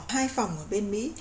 hai phòng ở bên mỹ